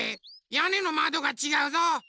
やねのまどがちがうぞ！